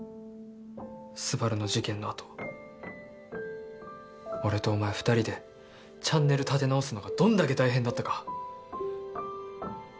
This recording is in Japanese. スバルの事件のあと俺とお前２人でチャンネル立て直すのがどんだけ大変だったか